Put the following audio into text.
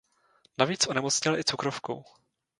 Navíc onemocněl i cukrovkou.